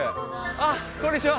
あっ、こんにちは。